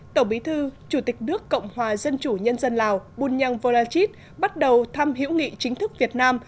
tổng bí thư chủ tịch nước cộng hòa dân chủ nhân dân lào bunyang volachit bắt đầu thăm hiểu nghị chính thức việt nam